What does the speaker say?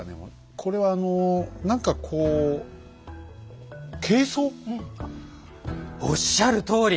これはあの何かこうおっしゃるとおり！